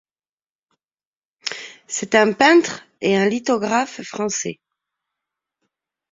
C'est un peintre et un lithographe français.